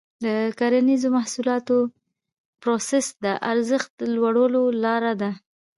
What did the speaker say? د کرنیزو محصولاتو پروسس د ارزښت لوړولو لاره ده.